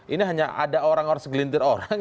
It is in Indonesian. ini hanya ada orang orang segelintir orang